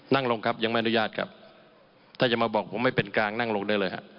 นั่งลงครับยังไม่อนุญาตครับถ้าจะมาบอกผมไม่เป็นกลางนั่งลงได้เลยฮะ